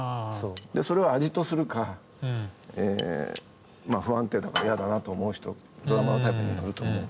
それを味とするか不安定だから嫌だなと思う人ドラマーのタイプにもよると思う。